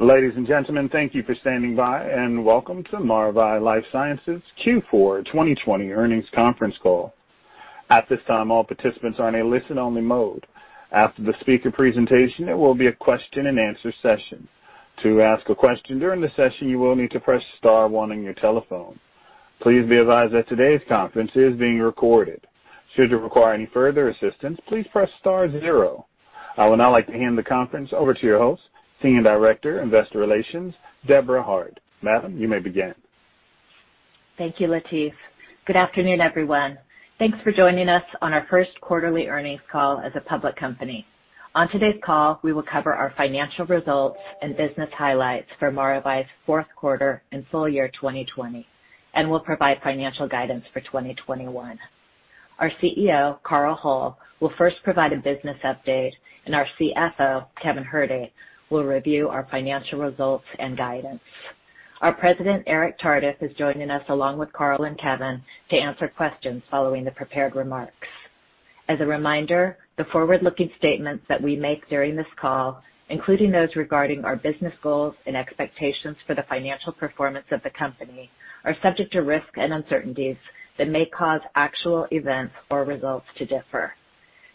Ladies and gentlemen, thank you for standing by, welcome to Maravai LifeSciences Q4 2020 earnings conference call. At this time, all participants are in a listen-only mode. After the speaker presentation, there will be a question and answer session. Please be advised that today's conference is being recorded. I would now like to hand the conference over to your host, Senior Director, Investor Relations, Deborah Hart. Madam, you may begin. Thank you, Latif. Good afternoon, everyone. Thanks for joining us on our first quarterly earnings call as a public company. On today's call, we will cover our financial results and business highlights for Maravai's fourth quarter and full year 2020, and we'll provide financial guidance for 2021. Our CEO, Carl Hull, will first provide a business update, and our CFO, Kevin Herde, will review our financial results and guidance. Our President, Eric Tardif, is joining us along with Carl and Kevin to answer questions following the prepared remarks. As a reminder, the forward-looking statements that we make during this call, including those regarding our business goals and expectations for the financial performance of the company, are subject to risks and uncertainties that may cause actual events or results to differ.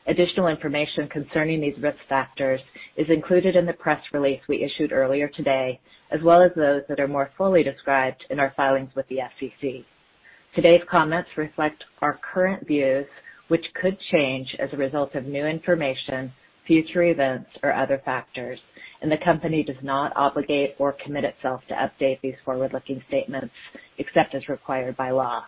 Additional information concerning these risk factors is included in the press release we issued earlier today, as well as those that are more fully described in our filings with the SEC. Today's comments reflect our current views, which could change as a result of new information, future events, or other factors, and the company does not obligate or commit itself to update these forward-looking statements except as required by law.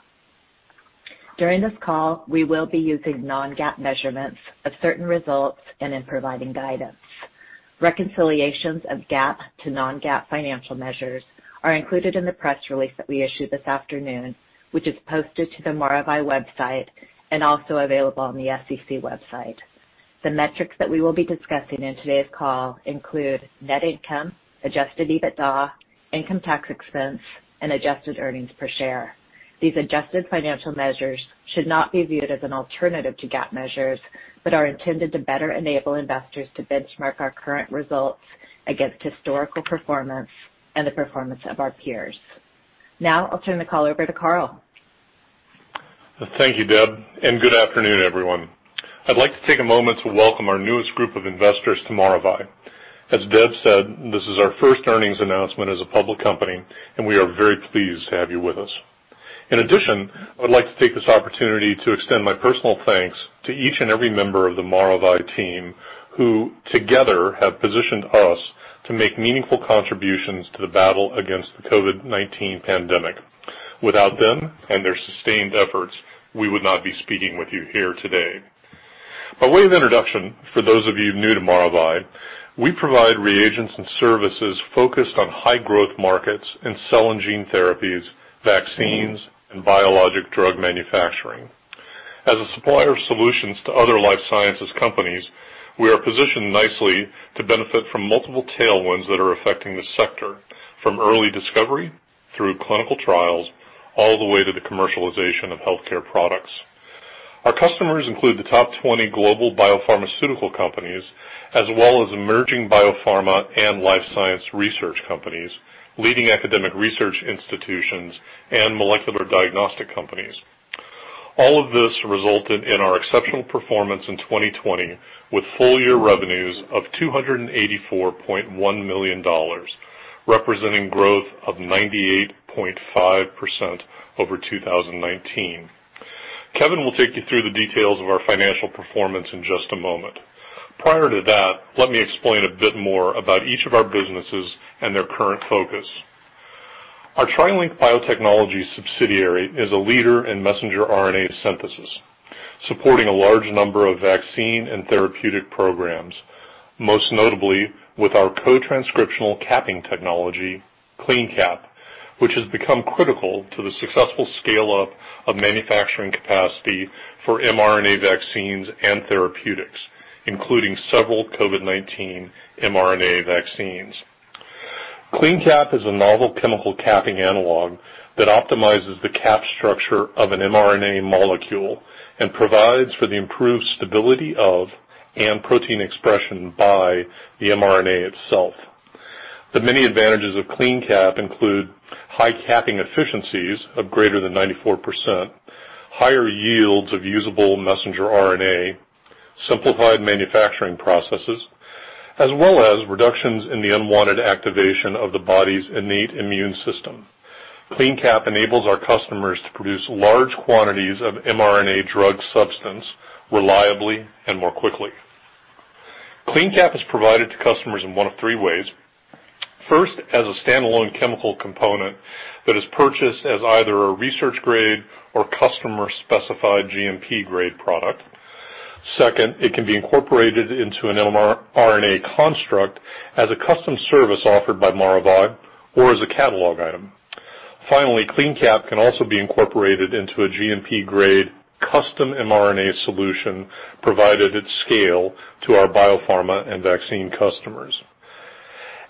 During this call, we will be using non-GAAP measurements of certain results and in providing guidance. Reconciliations of GAAP to non-GAAP financial measures are included in the press release that we issued this afternoon, which is posted to the Maravai website and also available on the SEC website. The metrics that we will be discussing in today's call include net income, adjusted EBITDA, income tax expense, and adjusted earnings per share. These adjusted financial measures should not be viewed as an alternative to GAAP measures, but are intended to better enable investors to benchmark our current results against historical performance and the performance of our peers. Now I'll turn the call over to Carl. Thank you, Deb, and good afternoon, everyone. I'd like to take a moment to welcome our newest group of investors to Maravai. As Deb said, this is our first earnings announcement as a public company, and we are very pleased to have you with us. In addition, I would like to take this opportunity to extend my personal thanks to each and every member of the Maravai team who together have positioned us to make meaningful contributions to the battle against the COVID-19 pandemic. Without them and their sustained efforts, we would not be speaking with you here today. By way of introduction, for those of you new to Maravai, we provide reagents and services focused on high growth markets in cell and gene therapies, vaccines, and biologic drug manufacturing. As a supplier of solutions to other life sciences companies, we are positioned nicely to benefit from multiple tailwinds that are affecting the sector, from early discovery through clinical trials, all the way to the commercialization of healthcare products. Our customers include the top 20 global biopharmaceutical companies, as well as emerging biopharma and life science research companies, leading academic research institutions, and molecular diagnostic companies. All of this resulted in our exceptional performance in 2020, with full-year revenues of $284.1 million, representing growth of 98.5% over 2019. Kevin will take you through the details of our financial performance in just a moment. Prior to that, let me explain a bit more about each of our businesses and their current focus. Our TriLink BioTechnologies subsidiary is a leader in messenger RNA synthesis, supporting a large number of vaccine and therapeutic programs, most notably with our co-transcriptional capping technology, CleanCap, which has become critical to the successful scale-up of manufacturing capacity for mRNA vaccines and therapeutics, including several COVID-19 mRNA vaccines. CleanCap is a novel chemical capping analog that optimizes the cap structure of an mRNA molecule and provides for the improved stability of and protein expression by the mRNA itself. The many advantages of CleanCap include high capping efficiencies of greater than 94%, higher yields of usable messenger RNA, simplified manufacturing processes, as well as reductions in the unwanted activation of the body's innate immune system. CleanCap enables our customers to produce large quantities of mRNA drug substance reliably and more quickly. CleanCap is provided to customers in one of three ways. First, as a standalone chemical component that is purchased as either a research grade or customer-specified GMP grade product. Second, it can be incorporated into an mRNA construct as a custom service offered by Maravai or as a catalog item. Finally, CleanCap can also be incorporated into a GMP grade custom mRNA solution provided at scale to our biopharma and vaccine customers.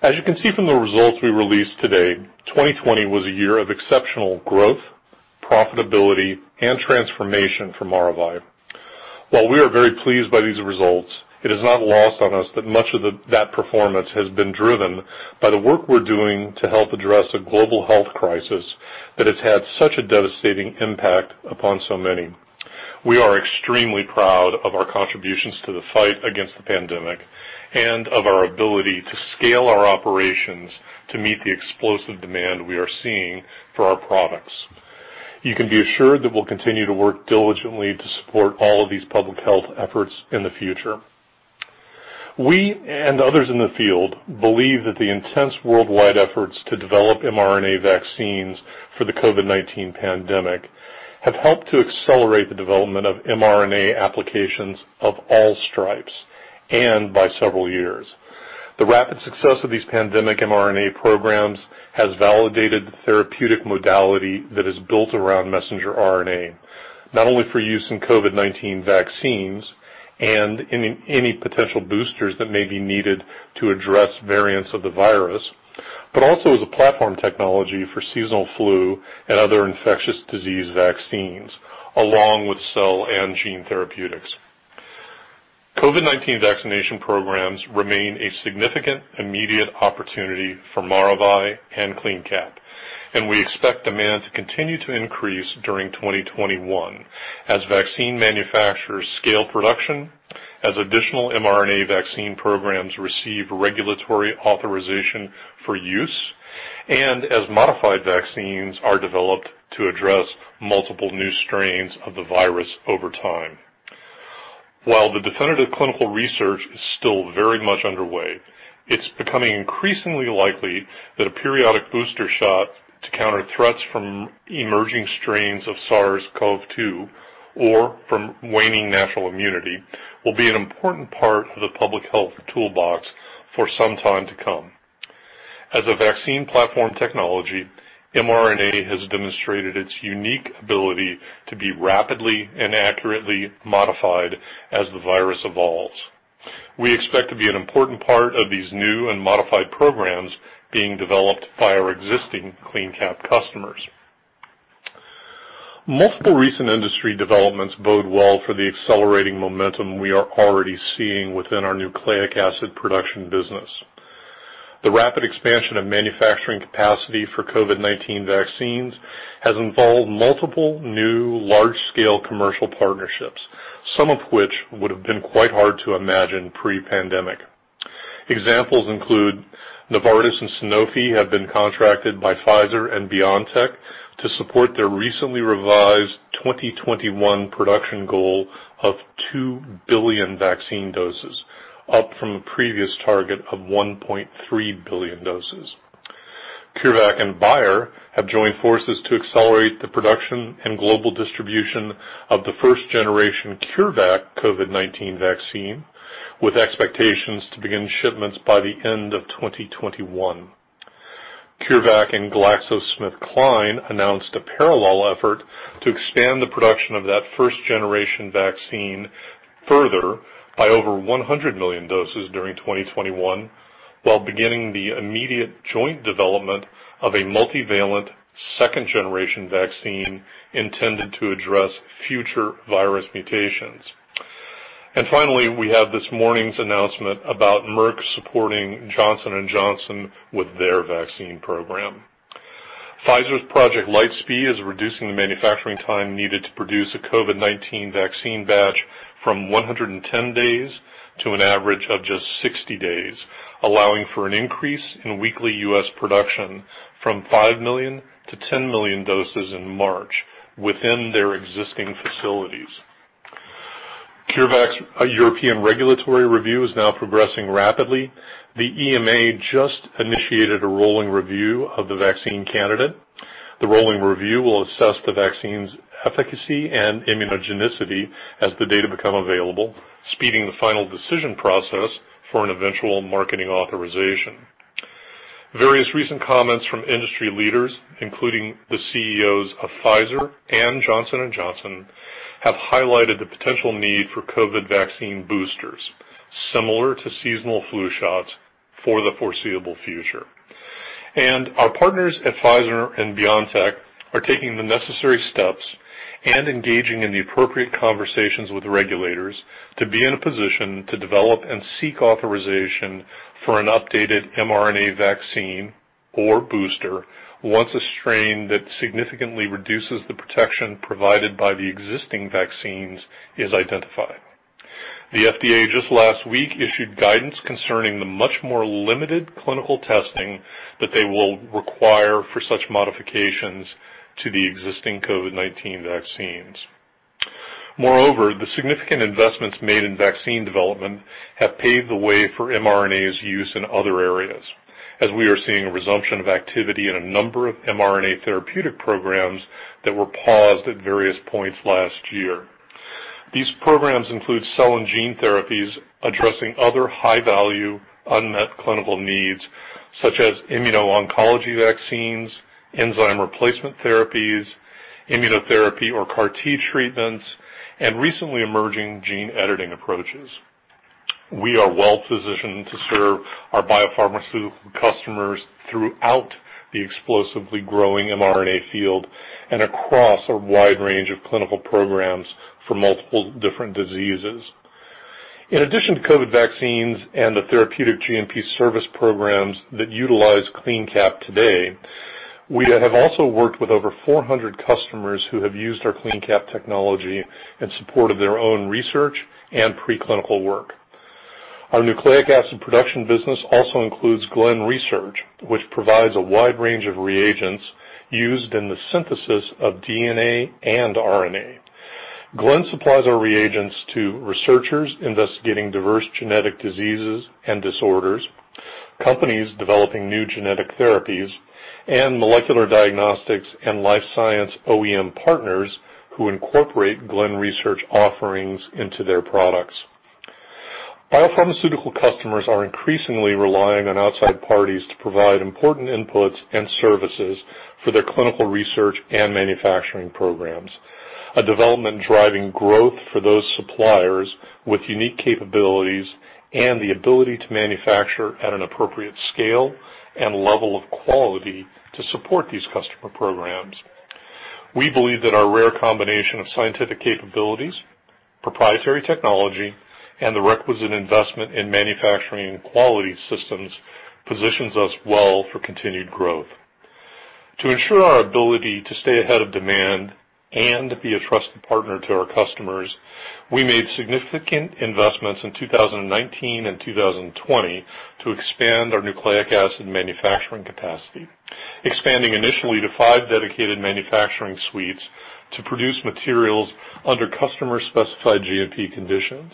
As you can see from the results we released today, 2020 was a year of exceptional growth, profitability, and transformation for Maravai. While we are very pleased by these results, it is not lost on us that much of that performance has been driven by the work we're doing to help address a global health crisis that has had such a devastating impact upon so many. We are extremely proud of our contributions to the fight against the pandemic and of our ability to scale our operations to meet the explosive demand we are seeing for our products. You can be assured that we'll continue to work diligently to support all of these public health efforts in the future. We, and others in the field, believe that the intense worldwide efforts to develop mRNA vaccines for the COVID-19 pandemic have helped to accelerate the development of mRNA applications of all stripes, and by several years. The rapid success of these pandemic mRNA programs has validated the therapeutic modality that is built around messenger RNA, not only for use in COVID-19 vaccines and any potential boosters that may be needed to address variants of the virus, but also as a platform technology for seasonal flu and other infectious disease vaccines, along with cell and gene therapeutics. COVID-19 vaccination programs remain a significant immediate opportunity for Maravai and CleanCap, and we expect demand to continue to increase during 2021 as vaccine manufacturers scale production, as additional mRNA vaccine programs receive regulatory authorization for use, and as modified vaccines are developed to address multiple new strains of the virus over time. While the definitive clinical research is still very much underway, it's becoming increasingly likely that a periodic booster shot to counter threats from emerging strains of SARS-CoV-2 or from waning natural immunity will be an important part of the public health toolbox for some time to come. As a vaccine platform technology, mRNA has demonstrated its unique ability to be rapidly and accurately modified as the virus evolves. We expect to be an important part of these new and modified programs being developed by our existing CleanCap customers. Multiple recent industry developments bode well for the accelerating momentum we are already seeing within our nucleic acid production business. The rapid expansion of manufacturing capacity for COVID-19 vaccines has involved multiple new large-scale commercial partnerships, some of which would have been quite hard to imagine pre-pandemic. Examples include Novartis and Sanofi have been contracted by Pfizer and BioNTech to support their recently revised 2021 production goal of 2 billion vaccine doses, up from a previous target of 1.3 billion doses. CureVac and Bayer have joined forces to accelerate the production and global distribution of the first generation CureVac COVID-19 vaccine, with expectations to begin shipments by the end of 2021. CureVac and GlaxoSmithKline announced a parallel effort to expand the production of that first generation vaccine further by over 100 million doses during 2021 while beginning the immediate joint development of a multivalent second generation vaccine intended to address future virus mutations. Finally, we have this morning's announcement about Merck supporting Johnson & Johnson with their vaccine program. Pfizer's Project Lightspeed is reducing the manufacturing time needed to produce a COVID-19 vaccine batch from 110 days to an average of just 60 days, allowing for an increase in weekly U.S. production from 5 million to 10 million doses in March within their existing facilities. CureVac's European regulatory review is now progressing rapidly. The EMA just initiated a rolling review of the vaccine candidate. The rolling review will assess the vaccine's efficacy and immunogenicity as the data become available, speeding the final decision process for an eventual marketing authorization. Various recent comments from industry leaders, including the CEOs of Pfizer and Johnson & Johnson, have highlighted the potential need for COVID vaccine boosters similar to seasonal flu shots for the foreseeable future. Our partners at Pfizer and BioNTech are taking the necessary steps and engaging in the appropriate conversations with regulators to be in a position to develop and seek authorization for an updated mRNA vaccine or booster once a strain that significantly reduces the protection provided by the existing vaccines is identified. The FDA just last week issued guidance concerning the much more limited clinical testing that they will require for such modifications to the existing COVID-19 vaccines. Moreover, the significant investments made in vaccine development have paved the way for mRNA's use in other areas, as we are seeing a resumption of activity in a number of mRNA therapeutic programs that were paused at various points last year. These programs include cell and gene therapies addressing other high-value unmet clinical needs, such as immuno-oncology vaccines, enzyme replacement therapies, immunotherapy or CAR T treatments, and recently emerging gene editing approaches. We are well positioned to serve our biopharmaceutical customers throughout the explosively growing mRNA field and across a wide range of clinical programs for multiple different diseases. In addition to COVID vaccines and the therapeutic GMP service programs that utilize CleanCap today, we have also worked with over 400 customers who have used our CleanCap technology in support of their own research and preclinical work. Our Nucleic Acid Production business also includes Glen Research, which provides a wide range of reagents used in the synthesis of DNA and RNA. Glen supplies our reagents to researchers investigating diverse genetic diseases and disorders, companies developing new genetic therapies, and molecular diagnostics and life science OEM partners who incorporate Glen Research offerings into their products. Biopharmaceutical customers are increasingly relying on outside parties to provide important inputs and services for their clinical research and manufacturing programs, a development driving growth for those suppliers with unique capabilities and the ability to manufacture at an appropriate scale and level of quality to support these customer programs. We believe that our rare combination of scientific capabilities, proprietary technology, and the requisite investment in manufacturing and quality systems positions us well for continued growth. To ensure our ability to stay ahead of demand and be a trusted partner to our customers, we made significant investments in 2019 and 2020 to expand our nucleic acid manufacturing capacity, expanding initially to five dedicated manufacturing suites to produce materials under customer-specified GMP conditions.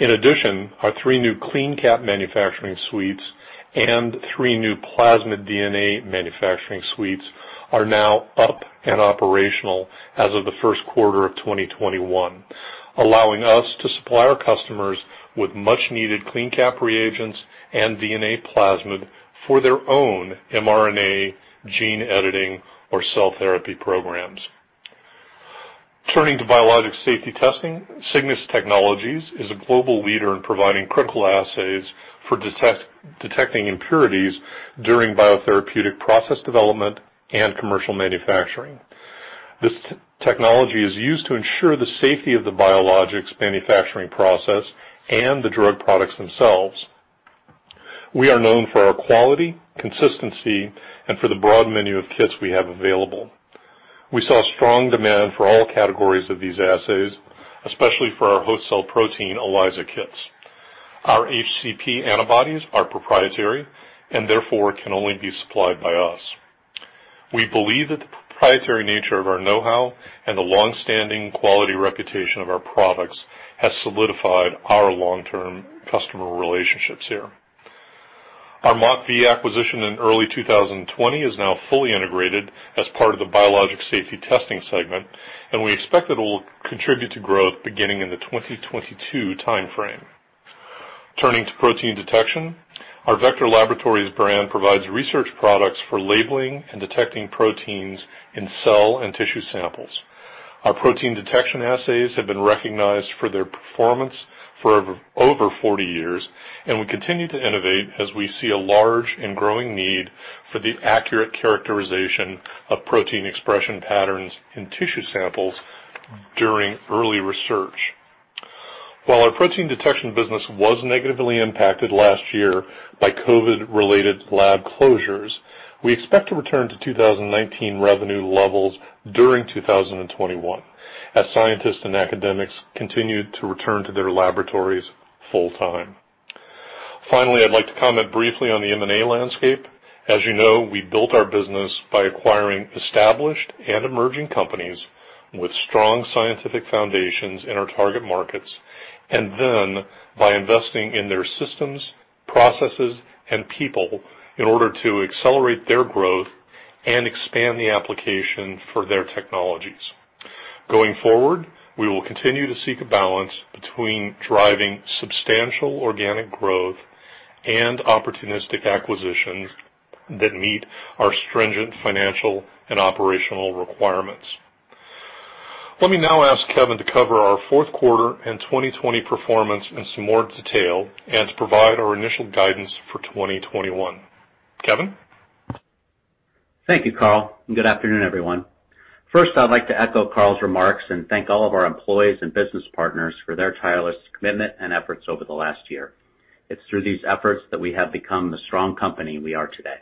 Our three new CleanCap manufacturing suites and three new plasmid DNA manufacturing suites are now up and operational as of the first quarter of 2021, allowing us to supply our customers with much-needed CleanCap reagents and DNA plasmid for their own mRNA gene editing or cell therapy programs. Turning to Biologics Safety Testing, Cygnus Technologies is a global leader in providing critical assays for detecting impurities during biotherapeutic process development and commercial manufacturing. This technology is used to ensure the safety of the biologics manufacturing process and the drug products themselves. We are known for our quality, consistency, and for the broad menu of kits we have available. We saw strong demand for all categories of these assays, especially for our host cell protein ELISA kits. Our HCP antibodies are proprietary and therefore can only be supplied by us. We believe that the proprietary nature of our know-how and the long-standing quality reputation of our products has solidified our long-term customer relationships here. Our MockV acquisition in early 2020 is now fully integrated as part of the Biologics Safety Testing segment, and we expect it'll contribute to growth beginning in the 2022 timeframe. Turning to protein detection, our Vector Laboratories brand provides research products for labeling and detecting proteins in cell and tissue samples. Our protein detection assays have been recognized for their performance for over 40 years, and we continue to innovate as we see a large and growing need for the accurate characterization of protein expression patterns in tissue samples during early research. While our protein detection business was negatively impacted last year by COVID-related lab closures, we expect to return to 2019 revenue levels during 2021 as scientists and academics continue to return to their laboratories full time. Finally, I'd like to comment briefly on the M&A landscape. As you know, we built our business by acquiring established and emerging companies with strong scientific foundations in our target markets, and then by investing in their systems, processes, and people in order to accelerate their growth and expand the application for their technologies. Going forward, we will continue to seek a balance between driving substantial organic growth and opportunistic acquisitions that meet our stringent financial and operational requirements. Let me now ask Kevin to cover our fourth quarter and 2020 performance in some more detail and to provide our initial guidance for 2021. Kevin? Thank you, Carl. Good afternoon, everyone. First, I'd like to echo Carl's remarks and thank all of our employees and business partners for their tireless commitment and efforts over the last year. It's through these efforts that we have become the strong company we are today.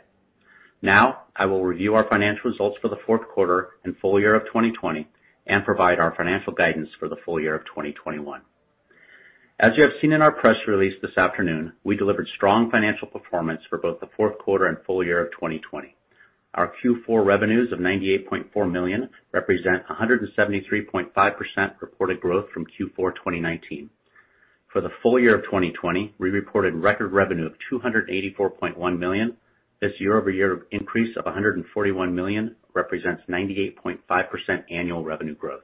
I will review our financial results for the fourth quarter and full year of 2020 and provide our financial guidance for the full year of 2021. As you have seen in our press release this afternoon, we delivered strong financial performance for both the fourth quarter and full year of 2020. Our Q4 revenues of $98.4 million represent 173.5% reported growth from Q4 2019. For the full year of 2020, we reported record revenue of $284.1 million. This year-over-year increase of $141 million represents 98.5% annual revenue growth.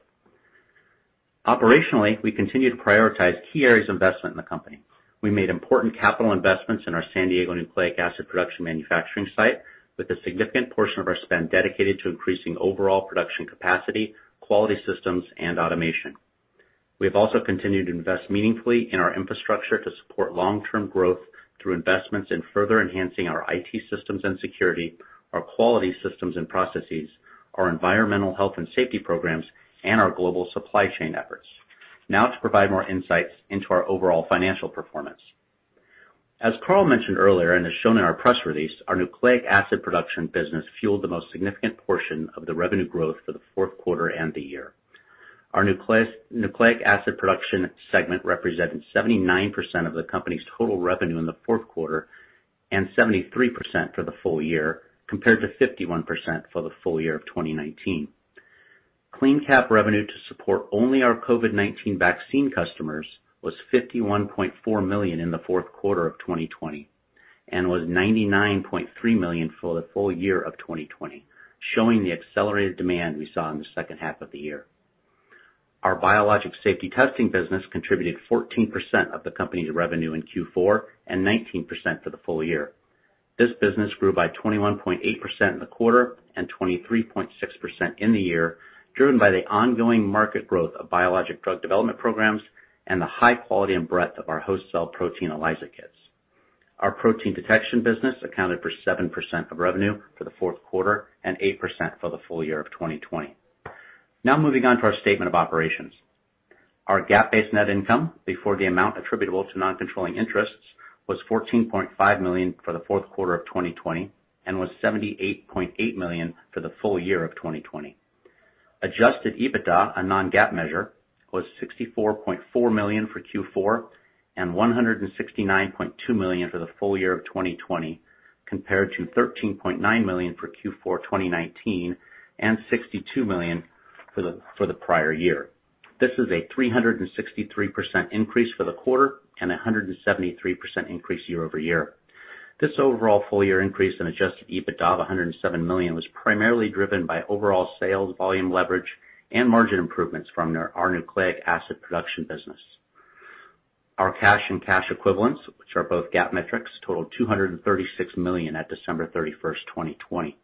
Operationally, we continue to prioritize key areas of investment in the company. We made important capital investments in our San Diego Nucleic Acid Production manufacturing site with a significant portion of our spend dedicated to increasing overall production capacity, quality systems, and automation. We have also continued to invest meaningfully in our infrastructure to support long-term growth through investments in further enhancing our IT systems and security, our quality systems and processes, our environmental health and safety programs, and our global supply chain efforts. To provide more insights into our overall financial performance. As Carl mentioned earlier, and as shown in our press release, our Nucleic Acid Production business fueled the most significant portion of the revenue growth for the fourth quarter and the year. Our Nucleic Acid Production segment represented 79% of the company's total revenue in the fourth quarter and 73% for the full year, compared to 51% for the full year of 2019. CleanCap revenue to support only our COVID-19 vaccine customers was $51.4 million in the fourth quarter of 2020, was $99.3 million for the full year of 2020, showing the accelerated demand we saw in the second half of the year. Our Biologics Safety Testing business contributed 14% of the company's revenue in Q4 and 19% for the full year. This business grew by 21.8% in the quarter and 23.6% in the year, driven by the ongoing market growth of biologic drug development programs and the high quality and breadth of our host cell protein ELISA kits. Our protein detection business accounted for 7% of revenue for the fourth quarter and 8% for the full year of 2020. Moving on to our statement of operations. Our GAAP-based net income before the amount attributable to non-controlling interests was $14.5 million for the fourth quarter of 2020, and was $78.8 million for the full year of 2020. Adjusted EBITDA, a non-GAAP measure, was $64.4 million for Q4 and $169.2 million for the full year of 2020, compared to $13.9 million for Q4 2019 and $62 million for the prior year. This is a 363% increase for the quarter and 173% increase year-over-year. This overall full-year increase in adjusted EBITDA of $107 million was primarily driven by overall sales volume leverage and margin improvements from our Nucleic Acid Production business. Our cash and cash equivalents, which are both GAAP metrics, totaled $236 million at December 31st, 2020.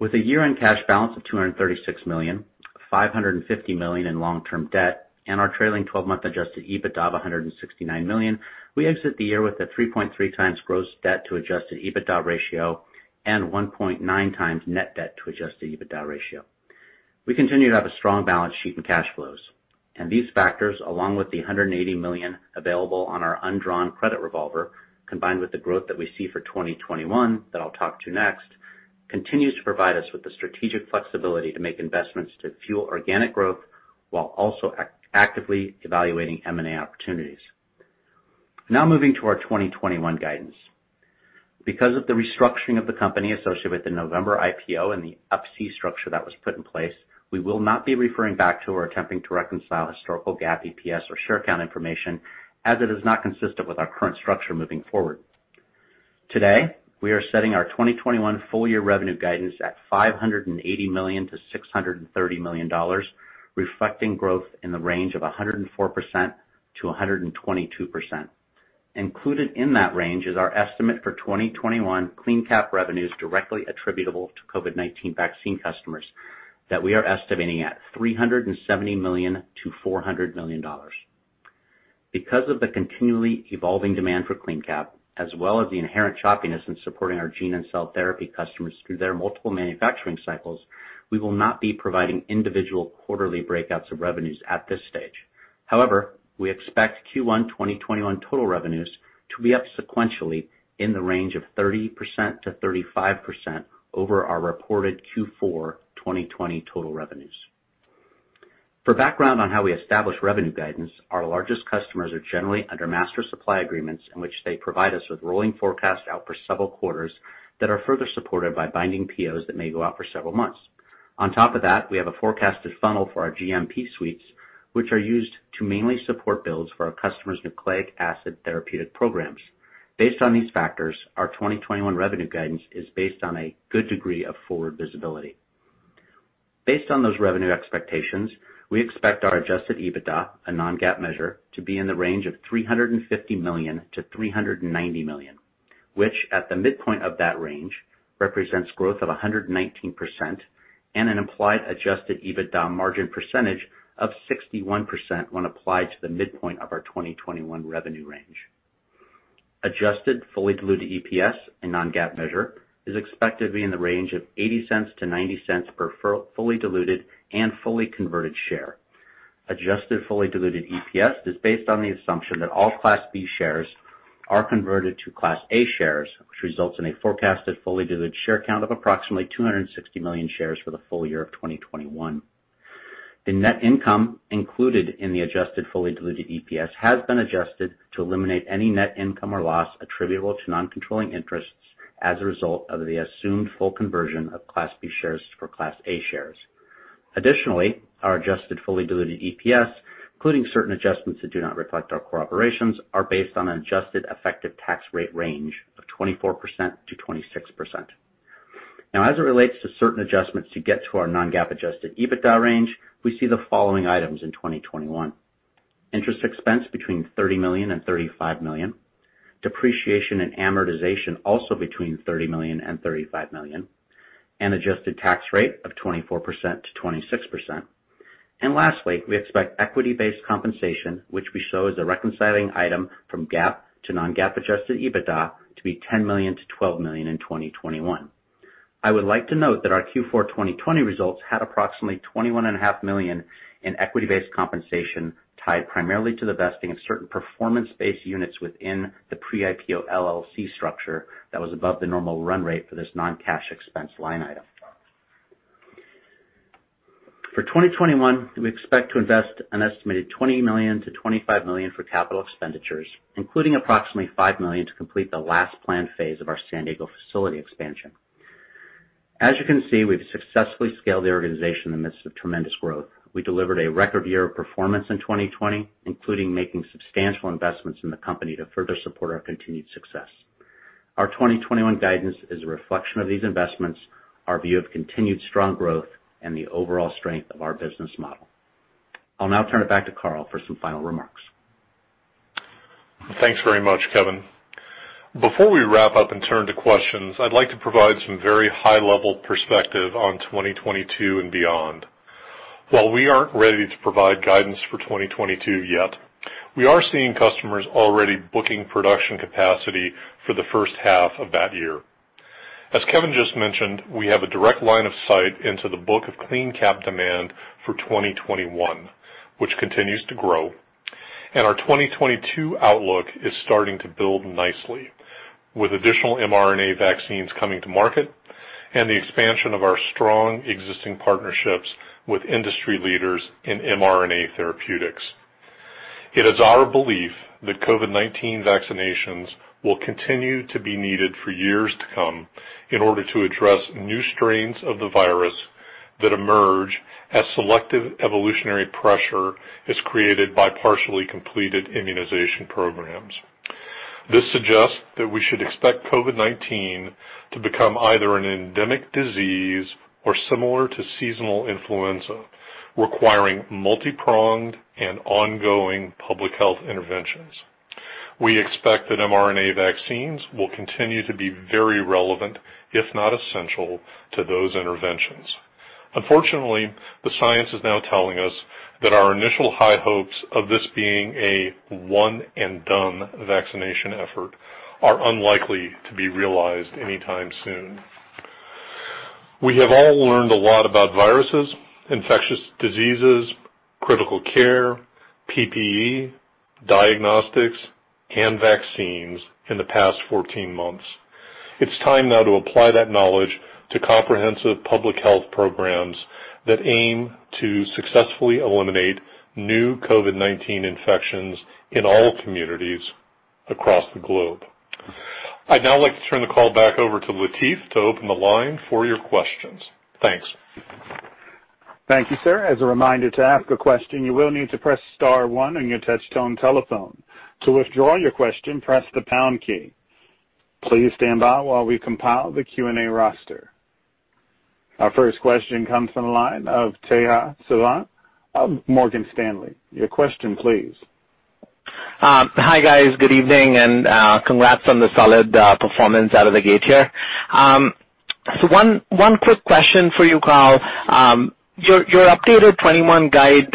With a year-end cash balance of $236 million, $550 million in long-term debt, and our trailing 12-month adjusted EBITDA of $169 million, we exit the year with a 3.3x gross debt to adjusted EBITDA ratio and 1.9 times net debt to adjusted EBITDA ratio. We continue to have a strong balance sheet and cash flows, and these factors, along with the $180 million available on our undrawn credit revolver, combined with the growth that we see for 2021, that I'll talk to next, continues to provide us with the strategic flexibility to make investments to fuel organic growth while also actively evaluating M&A opportunities. Now moving to our 2021 guidance. Because of the restructuring of the company associated with the November IPO and the Up-C structure that was put in place, we will not be referring back to or attempting to reconcile historical GAAP, EPS, or share count information as it is not consistent with our current structure moving forward. Today, we are setting our 2021 full year revenue guidance at $580 million-$630 million, reflecting growth in the range of 104%-122%. Included in that range is our estimate for 2021 CleanCap revenues directly attributable to COVID-19 vaccine customers that we are estimating at $370 million-$400 million. Because of the continually evolving demand for CleanCap, as well as the inherent choppiness in supporting our gene and cell therapy customers through their multiple manufacturing cycles, we will not be providing individual quarterly breakouts of revenues at this stage. We expect Q1 2021 total revenues to be up sequentially in the range of 30%-35% over our reported Q4 2020 total revenues. For background on how we establish revenue guidance, our largest customers are generally under master supply agreements in which they provide us with rolling forecasts out for several quarters that are further supported by binding POs that may go out for several months. On top of that, we have a forecasted funnel for our GMP suites, which are used to mainly support builds for our customers' nucleic acid therapeutic programs. Based on these factors, our 2021 revenue guidance is based on a good degree of forward visibility. Based on those revenue expectations, we expect our adjusted EBITDA, a non-GAAP measure, to be in the range of $350 million-$390 million, which at the midpoint of that range, represents growth of 119% and an implied adjusted EBITDA margin percentage of 61% when applied to the midpoint of our 2021 revenue range. Adjusted fully diluted EPS, a non-GAAP measure, is expected to be in the range of $0.80-$0.90 per fully diluted and fully converted share. Adjusted fully diluted EPS is based on the assumption that all Class B shares are converted to Class A shares, which results in a forecasted fully diluted share count of approximately 260 million shares for the full year of 2021. The net income included in the adjusted fully diluted EPS has been adjusted to eliminate any net income or loss attributable to non-controlling interests as a result of the assumed full conversion of Class B shares for Class A shares. Our adjusted fully diluted EPS, including certain adjustments that do not reflect our core operations, are based on an adjusted effective tax rate range of 24%-26%. As it relates to certain adjustments to get to our non-GAAP adjusted EBITDA range, we see the following items in 2021. Interest expense $30 million-$35 million. Depreciation and amortization also $30 million-$35 million. An adjusted tax rate of 24%-26%. Lastly, we expect equity-based compensation, which we show as a reconciling item from GAAP to non-GAAP adjusted EBITDA, to be $10 million-$12 million in 2021. I would like to note that our Q4 2020 results had approximately $21.5 million in equity-based compensation tied primarily to the vesting of certain performance-based units within the pre-IPO LLC structure that was above the normal run rate for this non-cash expense line item. For 2021, we expect to invest an estimated $20 million-$25 million for capital expenditures, including approximately $5 million to complete the last planned phase of our San Diego facility expansion. As you can see, we've successfully scaled the organization in the midst of tremendous growth. We delivered a record year of performance in 2020, including making substantial investments in the company to further support our continued success. Our 2021 guidance is a reflection of these investments, our view of continued strong growth, and the overall strength of our business model. I'll now turn it back to Carl for some final remarks. Thanks very much, Kevin. Before we wrap up and turn to questions, I'd like to provide some very high-level perspective on 2022 and beyond. While we aren't ready to provide guidance for 2022 yet, we are seeing customers already booking production capacity for the first half of that year. As Kevin just mentioned, we have a direct line of sight into the book of CleanCap demand for 2021, which continues to grow. Our 2022 outlook is starting to build nicely, with additional mRNA vaccines coming to market and the expansion of our strong existing partnerships with industry leaders in mRNA therapeutics. It is our belief that COVID-19 vaccinations will continue to be needed for years to come in order to address new strains of the virus that emerge as selective evolutionary pressure is created by partially completed immunization programs. This suggests that we should expect COVID-19 to become either an endemic disease or similar to seasonal influenza, requiring multi-pronged and ongoing public health interventions. We expect that mRNA vaccines will continue to be very relevant, if not essential, to those interventions. Unfortunately, the science is now telling us that our initial high hopes of this being a one-and-done vaccination effort are unlikely to be realized anytime soon. We have all learned a lot about viruses, infectious diseases, critical care, PPE, diagnostics, and vaccines in the past 14 months. It's time now to apply that knowledge to comprehensive public health programs that aim to successfully eliminate new COVID-19 infections in all communities across the globe. I'd now like to turn the call back over to Latif to open the line for your questions. Thanks. Thank you, sir. Our first question comes from the line of Tejas Savant of Morgan Stanley. Your question, please. Hi, guys. Good evening, and congrats on the solid performance out of the gate here. One quick question for you, Carl. Your updated 2021 guide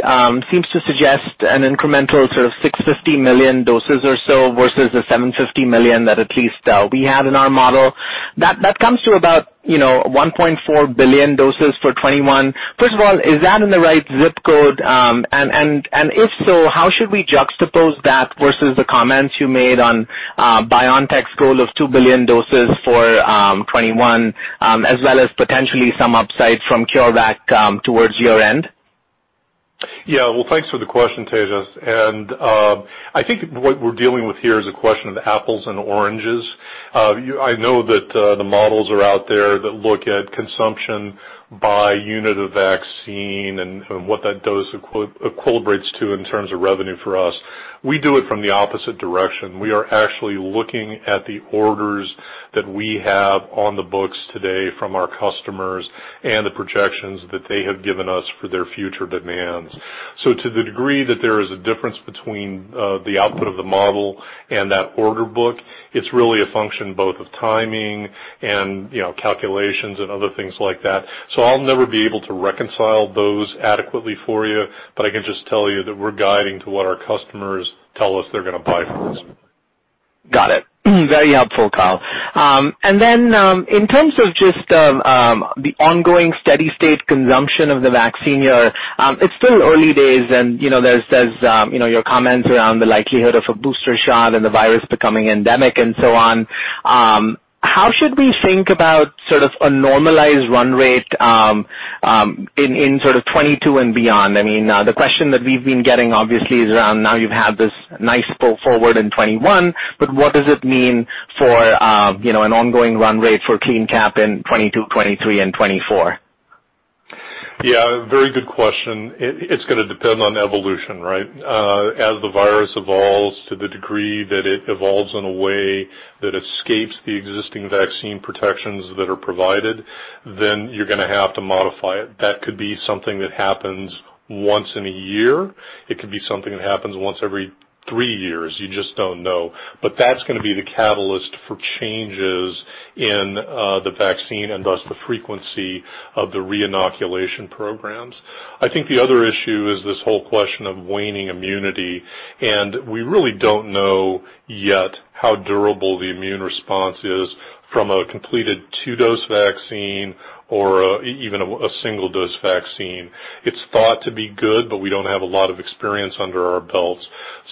seems to suggest an incremental sort of $650 million doses or so versus the $750 million that at least we had in our model. That comes to about $1.4 billion doses for 2021. First of all, is that in the right zip code? If so, how should we juxtapose that versus the comments you made on BioNTech's goal of $2 billion doses for 2021 as well as potentially some upside from CureVac towards your end? Well, thanks for the question, Tejas. I think what we're dealing with here is a question of apples and oranges. I know that the models are out there that look at consumption by unit of vaccine and what that dose equilibrates to in terms of revenue for us. We do it from the opposite direction. We are actually looking at the orders that we have on the books today from our customers and the projections that they have given us for their future demands. To the degree that there is a difference between the output of the model and that order book, it's really a function both of timing and calculations and other things like that. I'll never be able to reconcile those adequately for you, but I can just tell you that we're guiding to what our customers tell us they're going to buy from us. Got it. Very helpful, Carl. In terms of just the ongoing steady state consumption of the vaccine, it's still early days, and there's your comments around the likelihood of a booster shot and the virus becoming endemic and so on. How should we think about sort of a normalized run rate in sort of 2022 and beyond? The question that we've been getting, obviously, is around now you've had this nice pull forward in 2021, but what does it mean for an ongoing run rate for CleanCap in 2022, 2023, and 2024? Yeah. Very good question. It's going to depend on evolution, right? As the virus evolves to the degree that it evolves in a way that escapes the existing vaccine protections that are provided, then you're going to have to modify it. That could be something that happens once in a year. It could be something that happens once every three years, you just don't know. That's going to be the catalyst for changes in the vaccine and thus the frequency of the reinoculation programs. I think the other issue is this whole question of waning immunity. We really don't know yet how durable the immune response is from a completed two-dose vaccine or even a single-dose vaccine. It's thought to be good, but we don't have a lot of experience under our belts.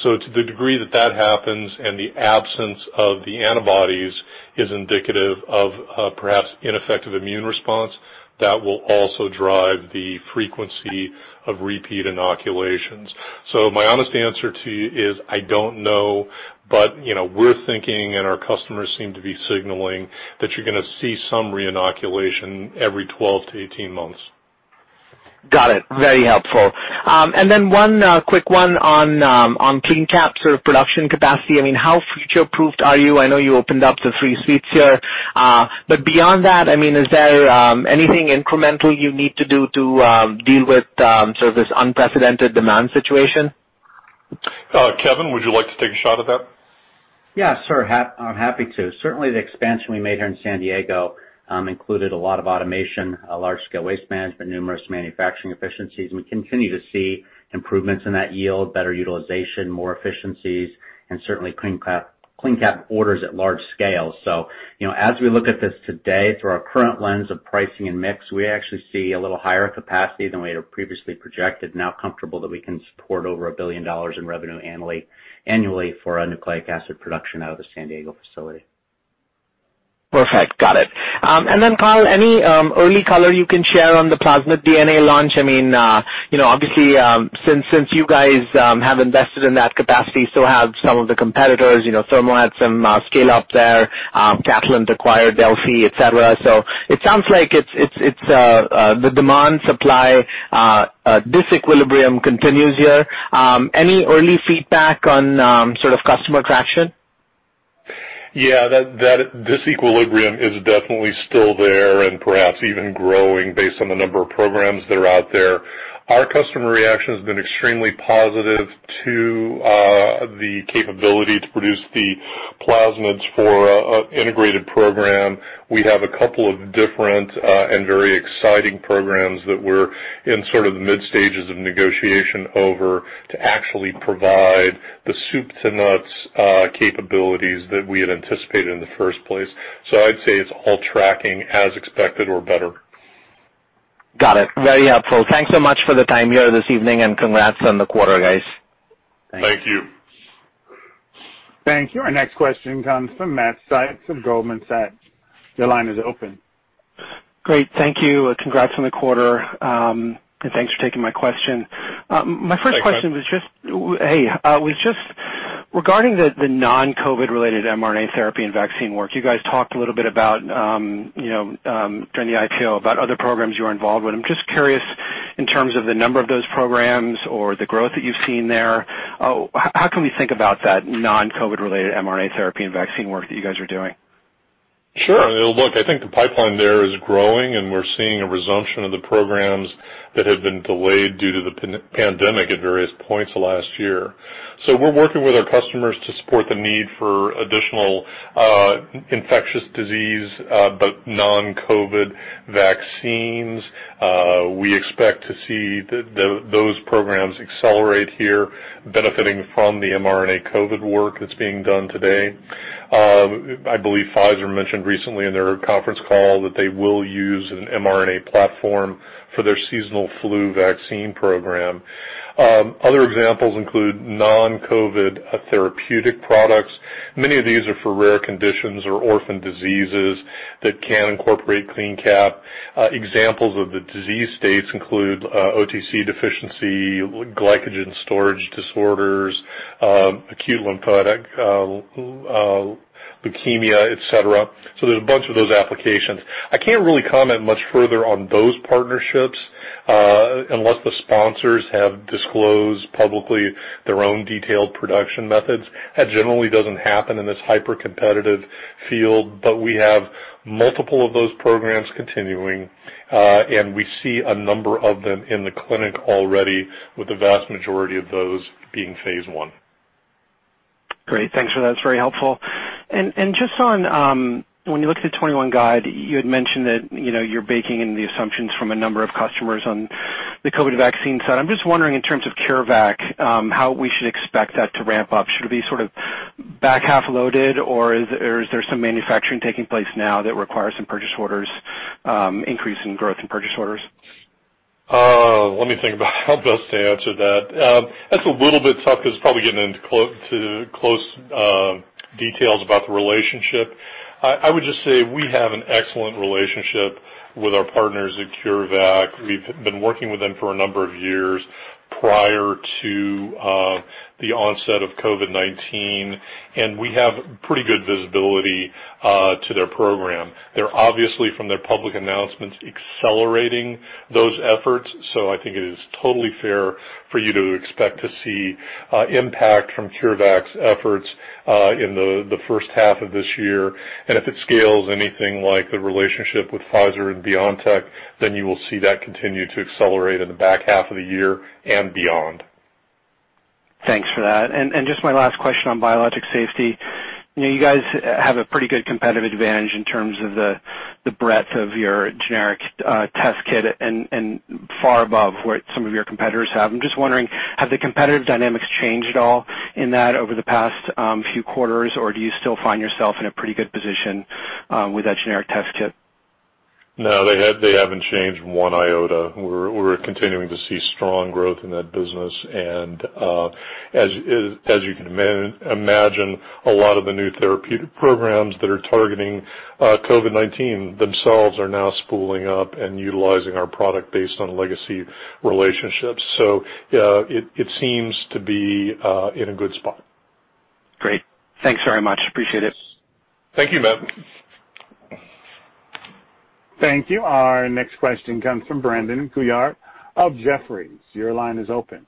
To the degree that that happens and the absence of the antibodies is indicative of perhaps ineffective immune response, that will also drive the frequency of repeat inoculations. My honest answer to you is, I don't know, but we're thinking and our customers seem to be signaling that you're going to see some reinoculation every 12 to 18 months. Got it. Very helpful. One quick one on CleanCap sort of production capacity. How future-proofed are you? I know you opened up to three suites here. Beyond that, is there anything incremental you need to do to deal with sort of this unprecedented demand situation? Kevin, would you like to take a shot at that? Sure. I'm happy to. Certainly, the expansion we made here in San Diego included a lot of automation, a large-scale waste management, numerous manufacturing efficiencies, and we continue to see improvements in that yield, better utilization, more efficiencies, and certainly CleanCap orders at large scale. As we look at this today through our current lens of pricing and mix, we actually see a little higher capacity than we had previously projected, now comfortable that we can support over $1 billion in revenue annually for our Nucleic Acid Production out of the San Diego facility. Perfect. Got it. Carl, any early color you can share on the plasmid DNA launch? Obviously, since you guys have invested in that capacity, so have some of the competitors. Thermo Fisher Scientific had some scale-up there. Catalent acquired Delphi, et cetera. It sounds like the demand-supply disequilibrium continues here. Any early feedback on sort of customer traction? Yeah, that disequilibrium is definitely still there and perhaps even growing based on the number of programs that are out there. Our customer reaction has been extremely positive to the capability to produce the plasmids for an integrated program. We have a couple of different and very exciting programs that we're in sort of the mid-stages of negotiation over to actually provide the soup to nuts capabilities that we had anticipated in the first place. I'd say it's all tracking as expected or better. Got it. Very helpful. Thanks so much for the time here this evening. Congrats on the quarter, guys. Thank you. Thank you. Thank you. Our next question comes from Matt Sykes of Goldman Sachs. Your line is open. Great. Thank you. Congrats on the quarter. Thanks for taking my question. Thanks. My first question was just regarding the non-COVID related mRNA therapy and vaccine work. You guys talked a little bit about, during the IPO, about other programs you are involved with. I'm just curious in terms of the number of those programs or the growth that you've seen there, how can we think about that non-COVID related mRNA therapy and vaccine work that you guys are doing? Sure. Look, I think the pipeline there is growing, we're seeing a resumption of the programs that had been delayed due to the pandemic at various points last year. We're working with our customers to support the need for additional infectious disease but non-COVID vaccines. We expect to see those programs accelerate here, benefiting from the mRNA COVID work that's being done today. I believe Pfizer mentioned recently in their conference call that they will use an mRNA platform for their seasonal flu vaccine program. Other examples include non-COVID therapeutic products. Many of these are for rare conditions or orphan diseases that can incorporate CleanCap. Examples of the disease states include OTC deficiency, glycogen storage disorders, acute lymphatic leukemia, et cetera. There's a bunch of those applications. I can't really comment much further on those partnerships unless the sponsors have disclosed publicly their own detailed production methods. That generally doesn't happen in this hyper-competitive field, but we have multiple of those programs continuing. We see a number of them in the clinic already, with the vast majority of those being phase I. Great. Thanks for that. It's very helpful. Just on when you looked at the 2021 guide, you had mentioned that you're baking in the assumptions from a number of customers on the COVID-19 vaccine side. I'm just wondering in terms of CureVac how we should expect that to ramp up. Should it be sort of back half loaded, or is there some manufacturing taking place now that requires some purchase orders, increase in growth in purchase orders? Let me think about how best to answer that. That's a little bit tough because it's probably getting into close details about the relationship. I would just say we have an excellent relationship with our partners at CureVac. We've been working with them for a number of years prior to the onset of COVID-19, and we have pretty good visibility to their program. They're obviously, from their public announcements, accelerating those efforts, so I think it is totally fair for you to expect to see impact from CureVac's efforts in the first half of this year. If it scales anything like the relationship with Pfizer and BioNTech, then you will see that continue to accelerate in the back half of the year and beyond. Thanks for that. Just my last question on Biologics Safety. You guys have a pretty good competitive advantage in terms of the breadth of your generic test kit and far above what some of your competitors have. I'm just wondering, have the competitive dynamics changed at all in that over the past few quarters, or do you still find yourself in a pretty good position with that generic test kit? No, they haven't changed one iota. We're continuing to see strong growth in that business. As you can imagine, a lot of the new therapeutic programs that are targeting COVID-19 themselves are now spooling up and utilizing our product based on legacy relationships. It seems to be in a good spot. Great. Thanks very much. Appreciate it. Thank you, Matt. Thank you. Our next question comes from Brandon Couillard of Jefferies. Your line is open.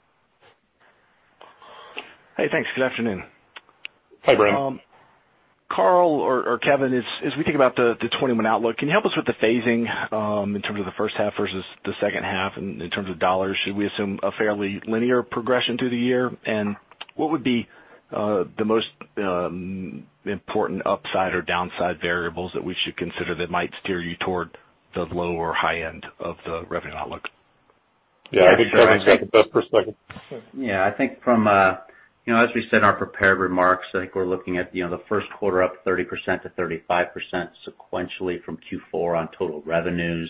Hey, thanks. Good afternoon. Hi, Brandon. Carl or Kevin, as we think about the 2021 outlook, can you help us with the phasing in terms of the first half versus the second half and in terms of dollars, should we assume a fairly linear progression through the year? What would be the most important upside or downside variables that we should consider that might steer you toward the low or high end of the revenue outlook? Yeah, I think Kevin's got the best perspective. Yeah, I think as we said in our prepared remarks, I think we're looking at the first quarter up 30%-35% sequentially from Q4 on total revenues.